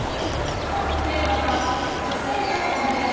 今日のテーマは女性のお悩み